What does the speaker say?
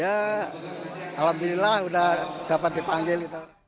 ya alhamdulillah udah dapat dipanggil